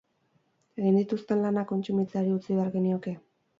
Egin dituzten lanak kontsumitzeari utzi behar genioke?